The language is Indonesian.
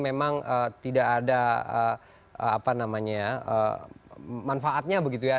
memang tidak ada manfaatnya begitu ya